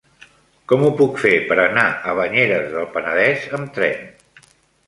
Com ho puc fer per anar a Banyeres del Penedès amb tren?